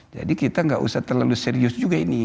jadi kita tidak usah terlalu serius juga ini